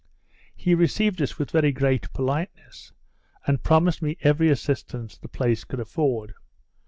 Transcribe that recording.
He received us, with very great politeness, and promised me every assistance the place could afford.